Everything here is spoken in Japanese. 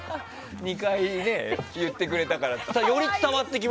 ２回、言ってくれたから。